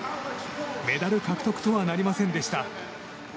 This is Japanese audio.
メダル獲得とはなりませんでした。